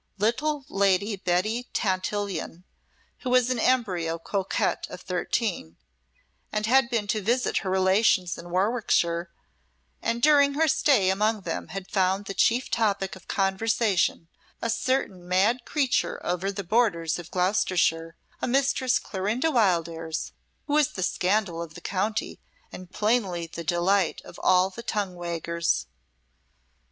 Little Lady Betty Tantillion, who was an embryo coquette of thirteen, had been to visit her relations in Warwickshire, and during her stay among them had found the chief topic of conversation a certain mad creature over the borders of Gloucestershire a Mistress Clorinda Wildairs, who was the scandal of the county, and plainly the delight of all the tongue waggers.